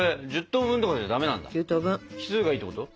奇数がいいってこと？